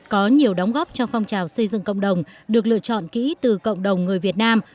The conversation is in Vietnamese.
có nhiều đóng góp cho phong trào xây dựng cộng đồng được lựa chọn kỹ từ cộng đồng người việt nam